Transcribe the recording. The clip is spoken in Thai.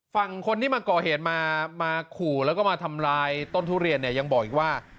ฝั่งคนที่มาก่อเหตุมาขู่แล้วก็มาทำลายต้นทุเรียนเนี่ยยังบอกอีกว่า